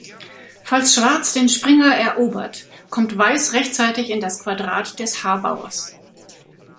Falls Schwarz den Springer erobert, kommt Weiß rechtzeitig in das Quadrat des h-Bauers.